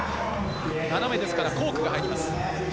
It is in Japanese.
斜めですからコークが入ります。